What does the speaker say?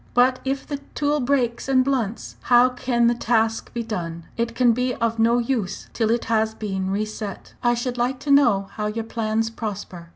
But if the tool breaks and blunts, how can the task be done? It can be of no use till it has been re set. "I should like to know how your plans prosper.